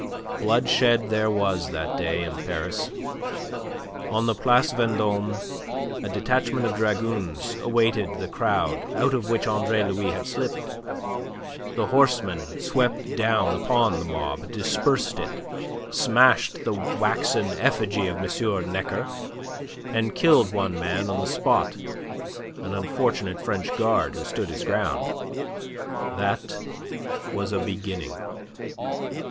Bloodshed there was that day in Paris. On the Place Vendome a detachment of dragoons awaited the crowd out of which Andre Louis had slipped. The horsemen swept down upon the mob, dispersed it, smashed the waxen effigy of M. Necker, and killed one man on the spot an unfortunate French Guard who stood his ground. That was a beginning.